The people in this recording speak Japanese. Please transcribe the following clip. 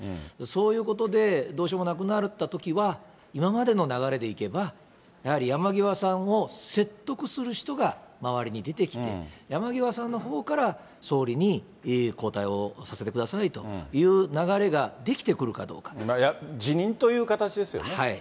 そういうことでどうしようもなくなったときは、今までの流れでいけば、やはり山際さんを説得する人が周りに出てきて、山際さんのほうから総理に交代をさせてくださいという流れが出来辞任という形ですよね。